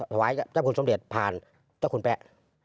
ทวายเพื่อให้ที่คุณสมเด็จผ่านเจ้าคุณแป๊ะ